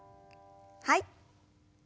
はい。